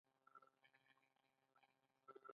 یو کارغه له کوترو سره یو ځای شو.